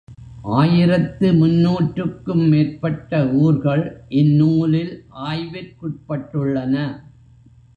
ஆயிரத்து முந்நூற்றுக்கும் மேற்பட்ட ஊர்கள் இந்நூலில் ஆய்விற்குட்பட்டுள்ளன.